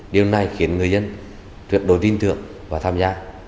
điều này khiến người dân tuyệt đối tin tưởng